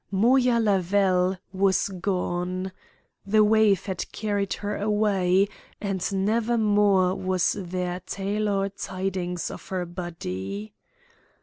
Moya Lavelle was gone. The wave had carried her away, and never more was there tale or tidings of her body.